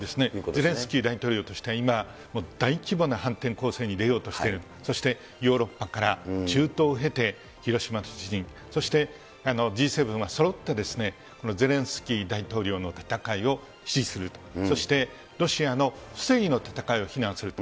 ゼレンスキー大統領としては今、もう大規模な反転攻勢に出ようとしている、そしてヨーロッパから中東を経て、広島の地に、そしてＧ７がそろってこのゼレンスキー大統領の戦いを支持すると、そしてロシアの不正義の戦いを非難すると。